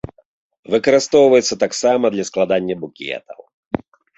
Выкарыстоўваецца таксама для складання букетаў.